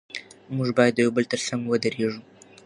موږ باید د یو بل تر څنګ ودرېږو.